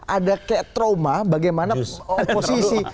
ada kayak trauma bagaimana oposisi